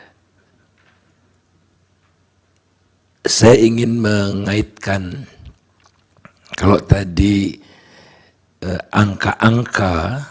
saya ingin mengaitkan kalau tadi angka angka